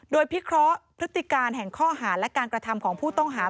โดยพิเคราะห์พฤติการแห่งข้อหาและการกระทำของผู้ต้องหา